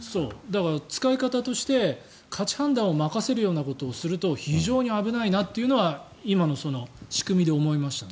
だから使い方として価値判断を任せるようなことをすると非常に危ないなというのは今のその仕組みで思いましたね。